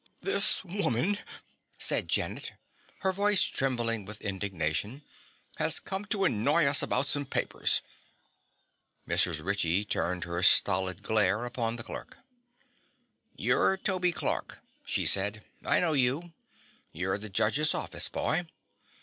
"This woman," said Janet, her voice trembling with indignation, "has come to annoy us about some papers." Mrs. Ritchie turned her stolid glare upon the clerk. "You're Toby Clark," she said. "I know you. You're the judge's office boy.